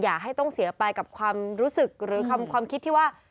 อย่าให้ต้องเสียไปกับความรู้สึกหรือคำความคิดที่ว่า